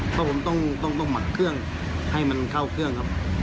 เพราะผมต้องหมักเครื่องให้มันเข้าเครื่องครับ